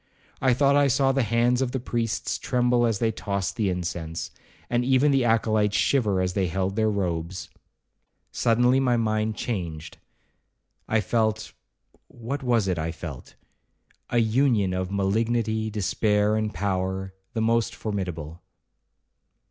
I thought I saw the hands of the priests tremble as they tossed the incense, and even the acolytes shiver as they held their robes. Suddenly my mind changed: I felt—what was it I felt?—a union of malignity, despair, and power, the most formidable.